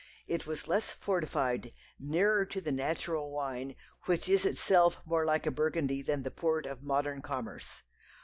It was less fortified, nearer to the natural wine, which is itself more like a Burgundy than the port of modern commerce.